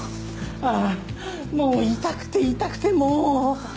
ああもう痛くて痛くてもう。